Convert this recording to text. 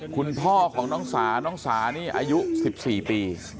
คุณพ่อของน้องสาน้องสานี่อายุ๑๔ปี